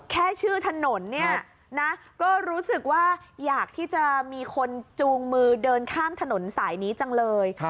แค่ชื่อถนนเนี่ยนะก็รู้สึกว่าอยากที่จะมีคนจูงมือเดินข้ามถนนสายนี้จังเลย